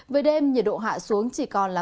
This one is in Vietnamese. với đêm nhiệt độ hạ xuống chỉ còn là một